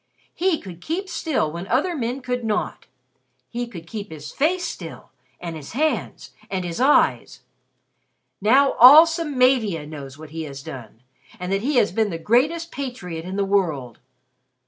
He could keep still when other men could not. He could keep his face still and his hands and his eyes. Now all Samavia knows what he has done, and that he has been the greatest patriot in the world.